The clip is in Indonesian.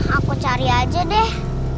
aku cari aja deh